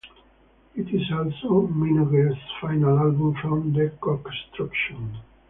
It is also Minogue's final album from Deconstruction.